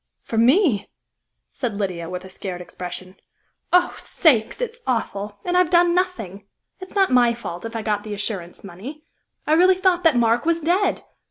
"For me?" said Lydia, with a scared expression. "Oh, sakes! it's awful! and I've done nothing. It's not my fault if I got the assurance money. I really thought that Mark was dead.